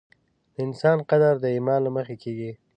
د انسان قدر د ایمان له مخې کېږي.